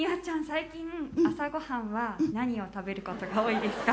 最近朝ごはんは何を食べることが多いですか？